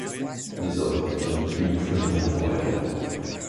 Désormais je ne puis plus rien pour elle.